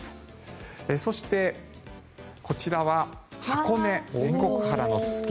そして、こちらは箱根・仙石原のススキ。